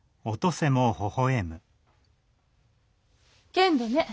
けんどね